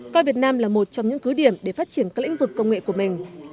coi việt nam là một trong những cứ điểm để phát triển các lĩnh vực công nghệ của mình